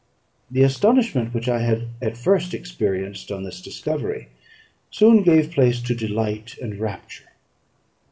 The astonishment which I had at first experienced on this discovery soon gave place to delight and rapture.